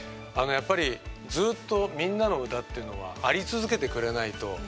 やっぱりずっと「みんなのうた」というのはあり続けてくれないと。